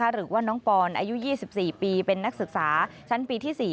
หรือว่าน้องปอนอายุ๒๔ปีเป็นนักศึกษาชั้นปีที่๔